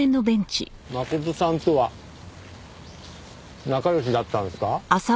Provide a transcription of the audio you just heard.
真琴さんとは仲良しだったんですか？